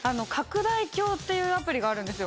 っていうアプリがあるんですよ。